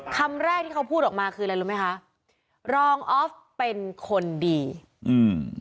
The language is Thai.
คำแรกที่เขาพูดออกมาคืออะไรรู้ไหมคะรองออฟเป็นคนดีอืม